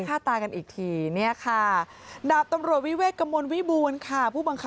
ให้ทำงานนี้นะครับแต่ก็จะเป็นผู้ชายเหมือนเดิมนะครับ